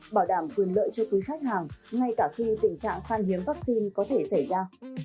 bảo đảm quyền lợi cho quý khách hàng ngay cả khi tình trạng khan hiếm vaccine có thể xảy ra